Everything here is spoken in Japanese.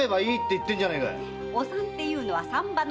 お産っていうのは産婆の領分なんだ。